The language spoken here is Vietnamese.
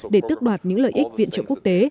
để tước đoạt những lợi ích viện trợ quốc tế